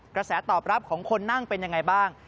กระแสตอบรับของคนนั่งเป็นยังไงบ้าง